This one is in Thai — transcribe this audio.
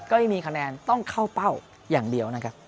ไม่มีคะแนนต้องเข้าเป้าอย่างเดียวนะครับ